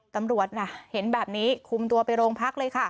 ตำรวจน่ะเห็นแบบนี้คุมตัวไปโรงพักเลยค่ะ